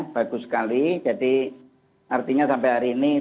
bagus sekali jadi artinya sampai hari ini